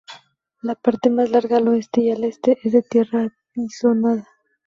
La parte más larga, al oeste y al este, es de tierra apisonada.